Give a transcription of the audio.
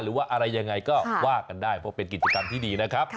หรือว่าอะไรยังไงก็ว่ากันได้เพราะเป็นกิจกรรมที่ดีนะครับ